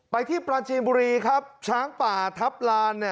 ไปที่ปราจีนบุรีครับช้างป่าทัพลานเนี่ย